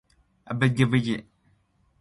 Nj-si lo adiljeatlu, pistipsea-nj.